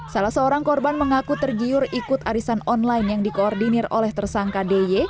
salah seorang korban mengaku tergiur ikut arisan online yang dikoordinir oleh tersangka dy